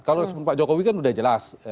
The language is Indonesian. kalau respon pak jokowi kan udah jelas